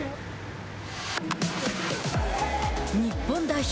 日本代表